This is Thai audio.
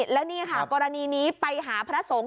แล้วนี่ค่ะกรณีนี้ไปหาพระสงฆ์